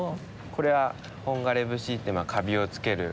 これは本枯節ってまあカビをつける。